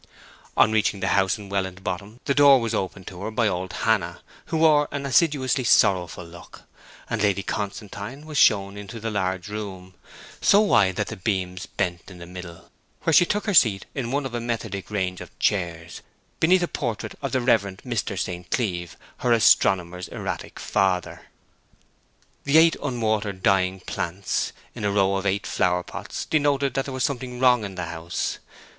On reaching the house in Welland Bottom the door was opened to her by old Hannah, who wore an assiduously sorrowful look; and Lady Constantine was shown into the large room, so wide that the beams bent in the middle, where she took her seat in one of a methodic range of chairs, beneath a portrait of the Reverend Mr. St. Cleeve, her astronomer's erratic father. The eight unwatered dying plants, in the row of eight flower pots, denoted that there was something wrong in the house.